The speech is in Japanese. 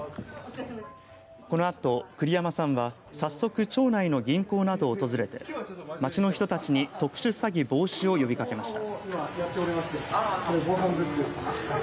このあと栗山さんは早速、町内の銀行などを訪れて町の人たちに特殊詐欺防止を呼びかけました。